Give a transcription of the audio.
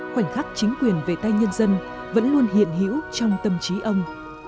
khoảnh khắc chính quyền về tay nhân dân vẫn luôn hiện hữu trong tâm trí ông